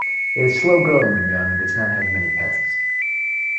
It is slow growing when young, and does not have many pests.